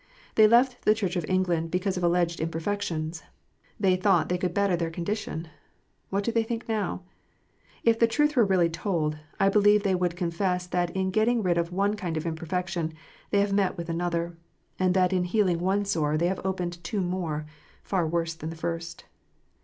They left the Church of England because of alleged imperfections. They thought they could better their condition. What do they think now ? If the truth were really told, I believe they would confess that in getting rid of one kind of imperfection, they have met with another ; and that in healing one sore, they have opened two more, far worse than the first.